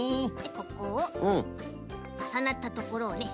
ここをかさなったところをね